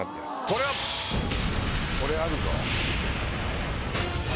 これあるぞ。